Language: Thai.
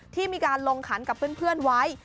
ที่มีการลงขันกับเพื่อนไว้